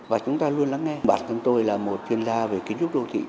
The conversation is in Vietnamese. và chúng ta luôn lắng nghe bản thân tôi là một chuyên gia về kiến trúc đô thị